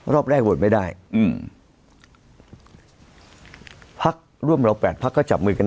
รอบแรกโหวตไม่ได้อืมพักร่วมเราแปดพักก็จับมือกัน